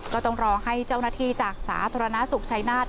ก็ต้องรอให้เจ้าหน้าที่จากสาธารณสุขชัยนาธิ